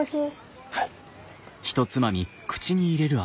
はい。